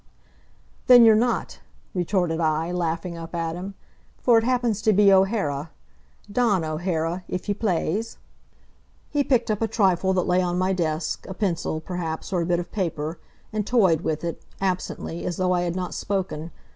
"Then you're not," retorted I, laughing up at him, "for it happens to be O'Hara Dawn O'Hara, if ye plaze." He picked up a trifle that lay on my desk a pencil, perhaps, or a bit of paper and toyed with it, absently, as though I had not spoken.